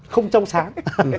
không trong sáng